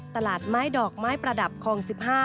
ตลาดไม้ดอกไม้ประดับคลอง๑๕